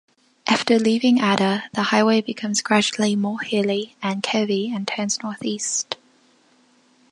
After leaving Ada the highway becomes gradually more hilly and curvy, and turns northeast.